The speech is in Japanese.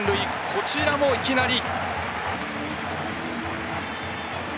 こちらもいきなり。